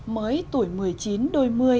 mới tuổi một mươi chín đôi một mươi